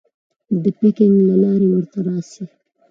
د پیکنګ له لارې ورته راسې.